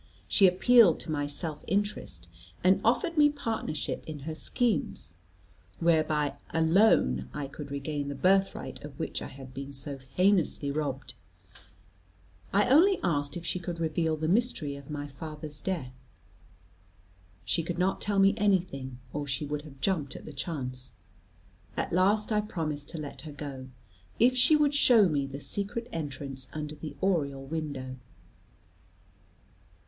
She appealed to my self interest, and offered me partnership in her schemes; whereby alone I could regain the birthright of which I had been so heinously robbed. I only asked if she could reveal the mystery of my father's death. She could not tell me anything, or she would have jumped at the chance. At last I promised to let her go, if she would show me the secret entrance under the oriel window.